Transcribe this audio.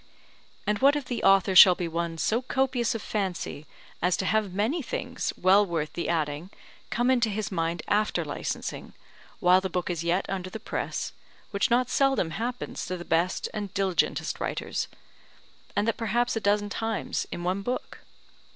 And what if the author shall be one so copious of fancy, as to have many things well worth the adding come into his mind after licensing, while the book is yet under the press, which not seldom happens to the best and diligentest writers; and that perhaps a dozen times in one book?